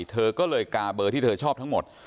เธอก็เลยกาเบอร์ที่เธอชอบทั้งหมด